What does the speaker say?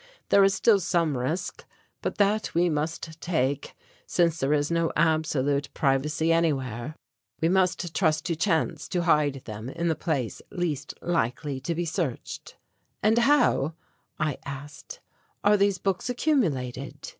There is still some risk, but that we must take, since there is no absolute privacy anywhere. We must trust to chance to hide them in the place least likely to be searched." "And how," I asked, "are these books accumulated?"